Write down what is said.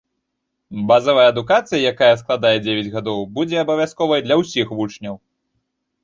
Базавая адукацыя, якая складзе дзевяць гадоў, будзе абавязковай для ўсіх вучняў.